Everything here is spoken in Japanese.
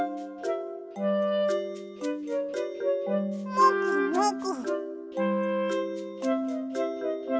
もぐもぐ。